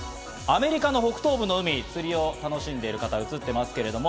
アメリカの北東部の海で釣りを楽しんでる方が映っています。